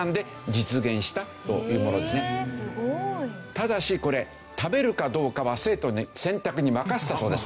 ただしこれ食べるかどうかは生徒の選択に任せたそうです。